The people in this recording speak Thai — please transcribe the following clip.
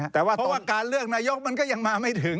แต่ว่าการเลือกนายกมันก็ยังมาไม่ถึง